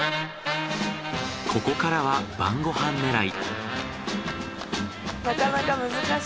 ここからは晩ご飯狙い。